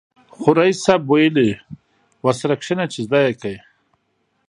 خو ريس صيب ويلې ورسره کېنه چې زده يې کې.